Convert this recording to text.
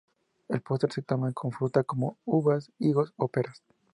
De postre se toma con fruta como uvas, higos o peras.